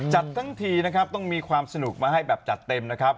จัดทั้งทีนะครับต้องมีความสนุกมาให้แบบจัดเต็มนะครับ